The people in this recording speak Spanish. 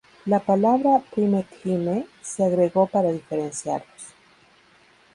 La palabra "primetime" se agregó para diferenciarlos.